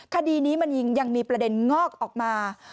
คดีนี้มันยังมีประเด็นงอกออกมา